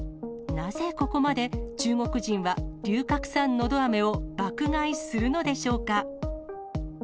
なぜ、ここまで中国人は龍角散のど飴を爆買いするのでしょうか。